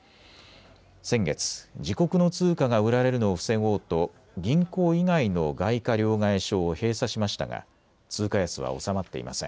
先月、自国の通貨が売られるのを防ごうと銀行以外の外貨両替所を閉鎖しましたが通貨安は収まっていません。